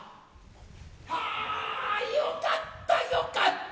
はあよかったよかった。